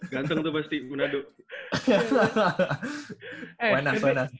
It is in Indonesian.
ganteng tuh pasti manado